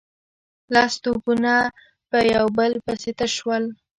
لس توپونه په يو بل پسې تش شول.